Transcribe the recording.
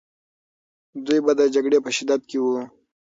دوی به د جګړې په شدت کې وو.